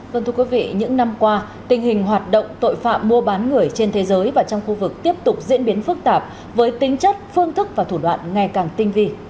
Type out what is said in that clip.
vâng thưa quý vị những năm qua tình hình hoạt động tội phạm mua bán người trên thế giới và trong khu vực tiếp tục diễn biến phức tạp với tính chất phương thức và thủ đoạn ngày càng tinh vi